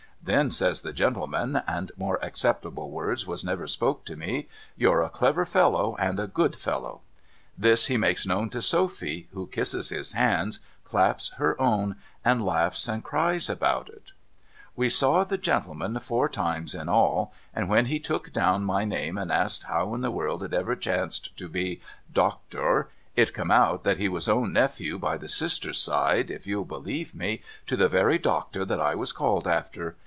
' Then,' says the gentleman, and more acceptable words was never spoke to me, 'you're a clever fellow, and a good fellow.' This he makes known to Sophy, who kisses his hands, claps her own, and laughs and cries upon it. We saw the gentleman four times in all, and when he took down my name and asked how in the world it ever chanced to be Doctor, it come out that he was own nephew by the sister's side, if you'll believe me, to the very Doctor that I was called after.